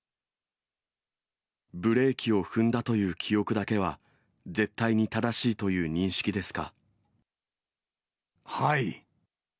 ブレーキを踏んだという記憶だけは絶対に正しいという認識ですか。